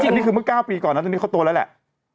อันนี้คือเมื่อ๙ปีก่อนนะตอนนี้เขาโตแล้วแหละ